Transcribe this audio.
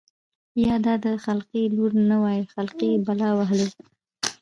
يا دا د خلقي لـور نه وای خـلقۍ بلا وهـلې.